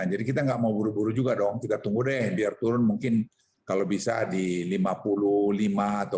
jadi kita nggak mau buru buru juga dong kita tunggu deh biar turun mungkin kalau bisa di lima puluh lima atau